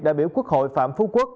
đại biểu quốc hội phạm phú quốc